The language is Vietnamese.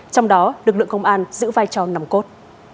trong đó lực lượng công an giữ vai trò nằm cốt